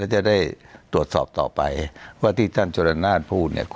จะได้ตรวจสอบต่อไปว่าที่ท่านชรณาทพูดเนี่ย